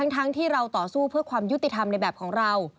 ทั้งที่เราต่อสู้เพื่อความยุติธรรมในแบบของเรา